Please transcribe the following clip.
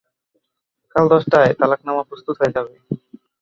কাল দশটায় তালাকনামা প্রস্তুত হয়ে যাবে।